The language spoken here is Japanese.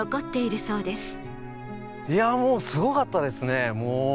いやもうすごかったですね。